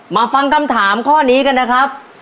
มาฟังคำถามข้อนี้กันนะครับ